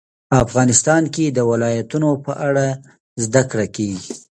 افغانستان کې د ولایتونو په اړه زده کړه کېږي.